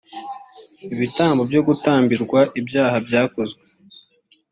ibitambo byo gutambirwa ibyaha byakozwe